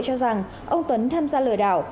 cho rằng ông tuấn tham gia lừa đảo